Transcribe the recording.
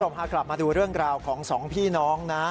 พากลับมาดูเรื่องราวของสองพี่น้องนะ